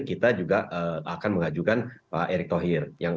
kita juga akan mengajukan pak erick thohir